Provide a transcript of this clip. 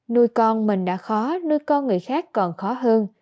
nuôi con mình đã khó nuôi con người khác còn khó hơn